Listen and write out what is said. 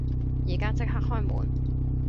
而家即刻開門！